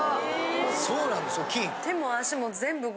そうなんですよ金。